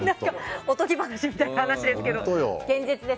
おとぎ話みたいな話ですが現実です。